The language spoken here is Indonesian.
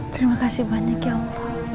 terima kasih banyak ya allah